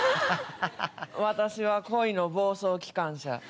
私は恋の暴走機関車。